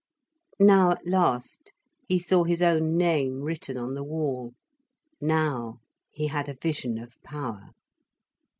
Now at last he saw his own name written on the wall. Now he had a vision of power.